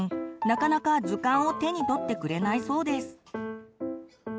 なかなか図鑑を手に取ってくれないそうです。